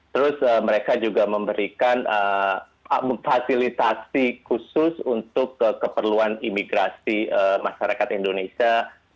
terus mereka juga memberikan fasilitasi khusus untuk keperluan imigrasi masyarakat indonesia